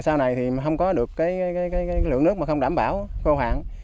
sau này thì không có được cái lượng nước mà không đảm bảo khô hạn